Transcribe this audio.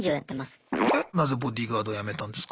えっなぜボディーガード辞めたんですか？